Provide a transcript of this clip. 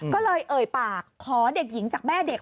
ก็เลยเอ่ยปากขอเด็กหญิงจากแม่เด็ก